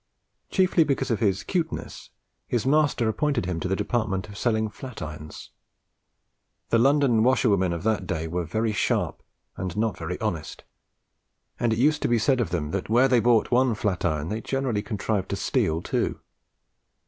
Chiefly because of his "cuteness," his master appointed him to the department of selling flat irons. The London washerwomen of that day were very sharp and not very honest, and it used to be said of them that where they bought one flat iron they generally contrived to steal two.